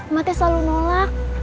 emak teh selalu nolak